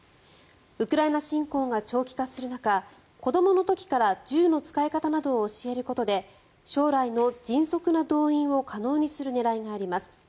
ウクライナ侵攻が長期化する中子どもの時から銃の使い方などを教えることで将来の迅速な動員を可能にする狙いがあります。